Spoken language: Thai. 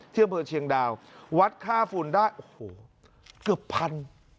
เที่ยงเผลอเชียงดาววัดค่าฟูนได้โอ้โหเกือบพัน